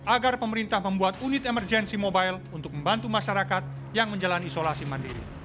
agar pemerintah membuat unit emergency mobile untuk membantu masyarakat yang menjalani isolasi mandiri